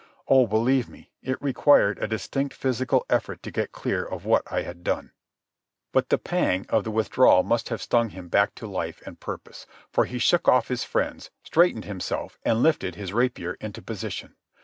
Oh, believe me, it required a distinct physical effort to get clear of what I had done. But the pang of the withdrawal must have stung him back to life and purpose, for he shook off his friends, straightened himself, and lifted his rapier into position.